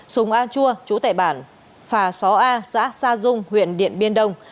sùng a chua chú tại bản phà sáu a xã sa dung huyện điện biên đông